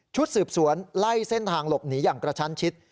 สืบสวนไล่เส้นทางหลบหนีอย่างกระชั้นชิด